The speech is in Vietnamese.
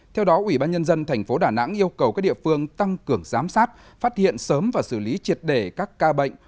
theo đó ubnd tp hcm yêu cầu các địa phương tăng cường giám sát phát hiện sớm và xử lý triệt để các ca bệnh